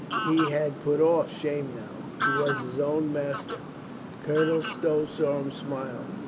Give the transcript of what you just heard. He had put off shame now. He was his own master. Colonel Stow saw him smile.